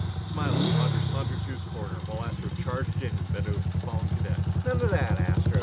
Smiling, Roger sauntered to his corner while Astro charged in and bent over the fallen cadet. "None of that, Astro!"